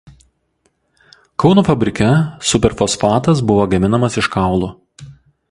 Kauno fabrike superfosfatas buvo gaminamas iš kaulų.